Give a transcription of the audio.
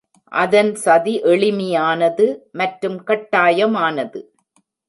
அதன் சதி எளிமையானது மற்றும் கட்டாயமானது.